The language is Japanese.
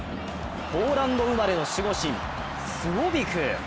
ポーランド生まれの守護神スウォビィク。